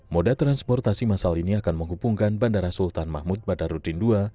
moda transportasi masal ini akan menghubungkan bandara sultan mahmud badarudin ii